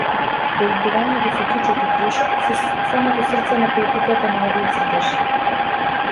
Поигрувањето со кичот и трешот се самото срце на поетиката на овие цртежи.